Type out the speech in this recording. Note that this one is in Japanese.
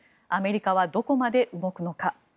アメリカはどこまで動くのか？